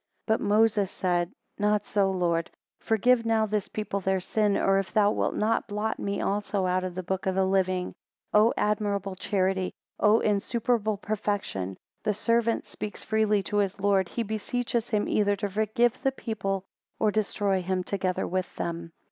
13 But Moses said, Not so, Lord: Forgive now this people their sin; or if thou wilt not, blot me also out of the book of the living. O admirable charity! O insuperable perfection! The servant speaks freely to his Lord: He beseeches him either to forgive the people, or to destroy him together with them.